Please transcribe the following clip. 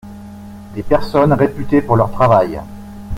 Des personnes réputées pour leur travail.